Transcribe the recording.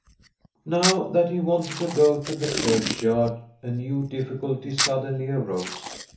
Now that he wanted to go to the church vard a new di£Bculty suddenly arose.